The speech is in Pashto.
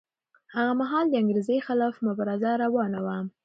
هغه مهال د انګریزۍ خلاف مبارزه روانه وه.